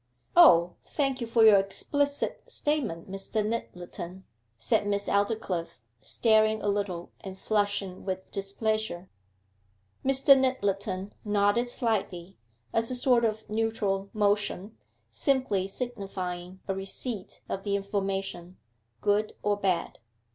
'Oh. Thank you for your explicit statement, Mr. Nyttleton,' said Miss Aldclyffe, starting a little and flushing with displeasure. Mr. Nyttleton nodded slightly, as a sort of neutral motion, simply signifying a receipt of the information, good or bad.